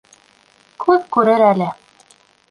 Күҙ күрер әле.